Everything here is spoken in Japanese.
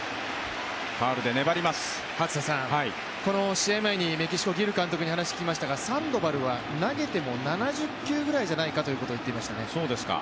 試合前にメキシコ、ギル監督に話を聞きましたがサンドバルは投げても７０球ぐらいじゃないかということを言っていましたね。